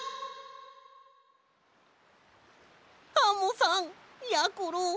アンモさんやころ。